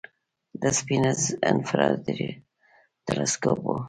د سپیتزر انفراریډ تلسکوپ و.